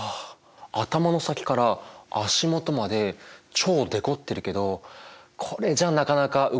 頭の先から足元まで超デコってるけどこれじゃなかなか動けなさそうだよね。